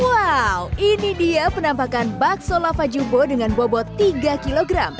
wow ini dia penampakan bakso lava jubo dengan bobot tiga kg